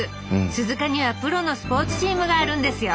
鈴鹿にはプロのスポーツチームがあるんですよ。